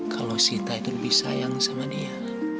kalau sita itu lebih sayang sama dia